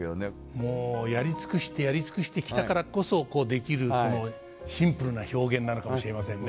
もうやり尽くしてやり尽くしてきたからこそできるこのシンプルな表現なのかもしれませんね。